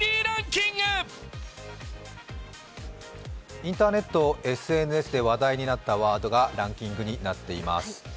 インターネット、ＳＮＳで話題になったワードがランキングになっています。